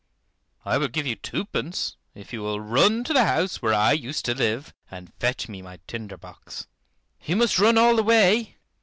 I will give you two pence if you will run to the house where I used to live and fetch me my tinder box. You must run all the way."